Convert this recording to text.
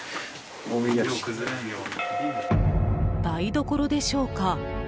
台所でしょうか。